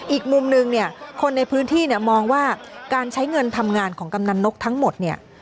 อีกมุมนึงเนี่ยคนในพื้นที่เนี่ยมองว่าการใช้เงินทำงานของกำนันนกทั้งหมดเนี่ย